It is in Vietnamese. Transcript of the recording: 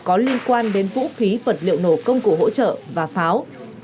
có liên quan đến vũ khí vật liệu nổ công cụ hỗ trợ